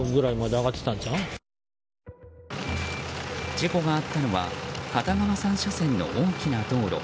事故があったのは片側３車線の大きな道路。